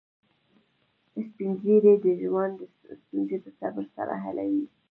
سپین ږیری د ژوند ستونزې په صبر سره حلوي